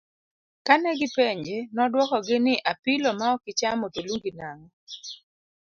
Kane gi penje, noduoko gi ni apilo ma okichamo to lungi nang'o?